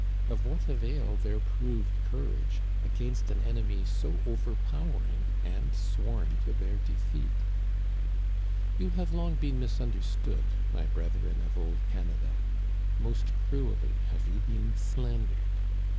Of what avail their proved courage against an enemy so overpowering and sworn to their defeat ? You have long been misunderstood, my brethren of old Canada ! Most cruelly have you been slandered.